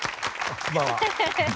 こんばんは。